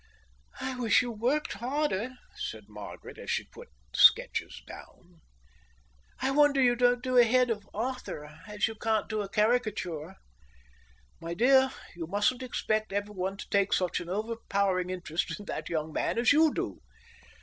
"I wish you worked harder," said Margaret, as she put the sketches down. "I wonder you don't do a head of Arthur as you can't do a caricature." "My dear, you mustn't expect everyone to take such an overpowering interest in that young man as you do."